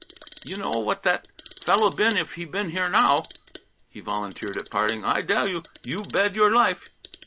"You know what that fellow been if he been here now," he volunteered at parting. "I dell you, you bed your life!